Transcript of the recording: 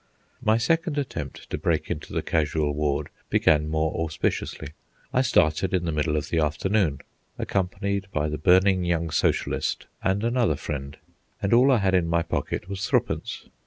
My second attempt to break into the casual ward began more auspiciously. I started in the middle of the afternoon, accompanied by the burning young socialist and another friend, and all I had in my pocket was thru'pence.